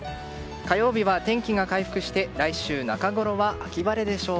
火曜日は天気が回復して来週中ごろは秋晴れでしょう。